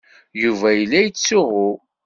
Yuba yella yettsuɣu.